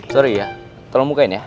sorry ya tolong mukain ya